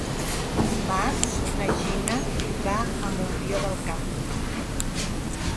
Dimarts na Gina va a Montbrió del Camp.